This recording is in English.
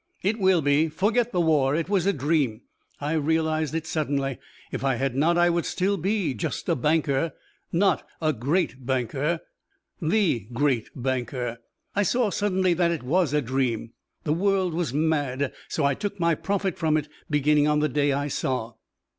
"It will be. Forget the war. It was a dream. I realized it suddenly. If I had not, I would still be just a banker. Not a great banker. The great banker. I saw, suddenly, that it was a dream. The world was mad. So I took my profit from it, beginning on the day I saw."